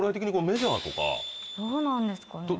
どうなんですかね？